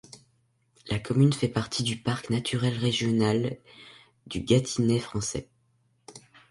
La commune fait partie du parc naturel régional du Gâtinais français.